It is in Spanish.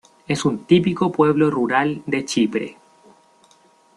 Es un típico pueblo rural de Chipre.